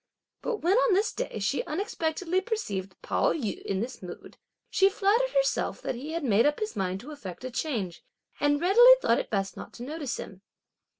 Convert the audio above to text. But when on this day, she unexpectedly perceived Pao yü in this mood, she flattered herself that he had made up his mind to effect a change, and readily thought it best not to notice him.